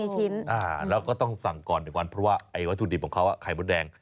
๔ชิ้นแล้วก็ต้องสั่งก่อน๑วันเพราะว่าไอ้วัตถุดิบของเขาไข่มดแดง